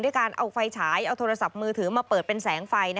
การเอาไฟฉายเอาโทรศัพท์มือถือมาเปิดเป็นแสงไฟ